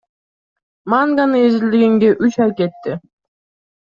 Манганы изилдегенге үч ай кетти.